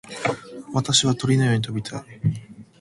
私は鳥のように飛びたい。